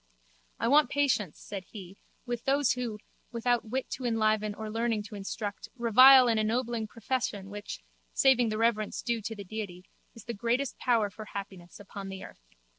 I want patience, said he, with those who, without wit to enliven or learning to instruct, revile an ennobling profession which, saving the reverence due to the Deity, is the greatest power for happiness upon the earth.